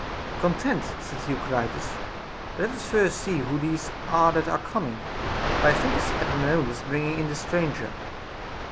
Content, said Theocritus ; but let us first see who these are that are coming, for I think I see Epaminon das bringing in the stranger.